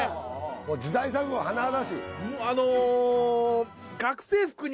もう時代錯誤甚だしい